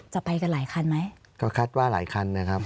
ไปกันหลายคันไหมก็คาดว่าหลายคันนะครับ